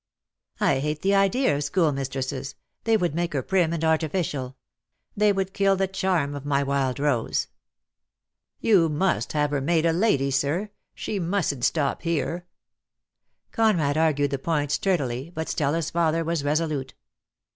"I hate the idea of schoolmistresses. They would make her prim and artificial. They would kill the. charm of my wild rose." .." "You must have her made a lady, sir. She mustn't stop here." Conrad argued the point sturdily, but Stella's father was resolute.